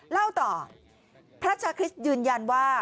เล่าต่อพระชาคริสต์ยืนยันว่า